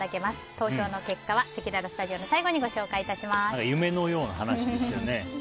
投票の結果はせきららスタジオの最後に夢のような話ですよね。